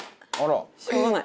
しょうがない。